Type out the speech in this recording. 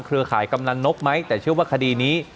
ร่ายกำนันนกไหมแต่เชื่อว่าคดีนี้